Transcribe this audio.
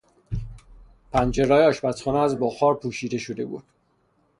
پنجرههای آشپزخانه از بخار پوشیده شده بود.